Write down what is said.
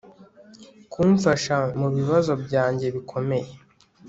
kumfasha mubibazo byanjye bikomeye